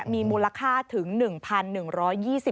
มีมูลค่าถึง๑๑๒๐ล้านนะคุณ